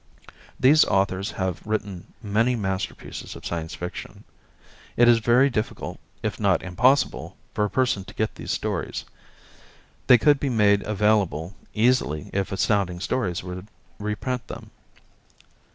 These authors have written many masterpieces of Science Fiction. It is very difficult, if not impossible, for a person to get these stories. They could be made available easily if Astounding Stories would reprint them.